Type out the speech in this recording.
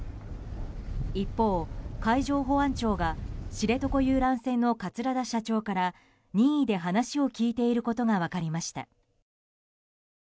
一方、海上保安庁が知床遊覧船の桂田社長から任意で話を聞いていることが分かりました。